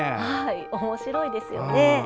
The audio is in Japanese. おもしろいですよね。